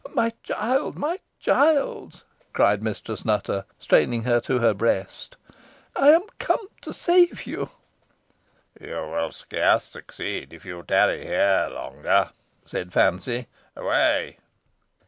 "My child my child!" cried Mistress Nutter, straining her to her breast; "I am come to save thee!" "You will scarce succeed, if you tarry here longer," said Fancy. "Away!"